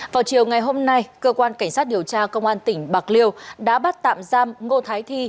vào chiều ngày hôm nay cơ quan cảnh sát điều tra công an tỉnh bạc liêu đã bắt tạm giam ngô thái thi